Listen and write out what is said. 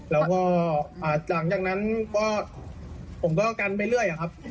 แล้วก็หลังจากนั้นก็ผมก็กันไปเรื่อยครับ